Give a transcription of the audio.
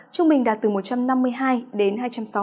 trung bình đạt từ một trăm năm mươi hai đến hai trăm sáu mươi